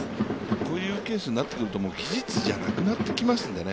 こういうケースになってくると技術じゃなくなってきますからね。